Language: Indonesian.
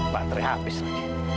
baterai habis lagi